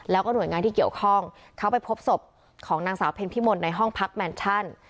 แล้วก็หน่วยงานที่เกี่ยวข้องเขาไปพบศพของนางสาวเพ็ญพิมลในห้องพักแมนชั่น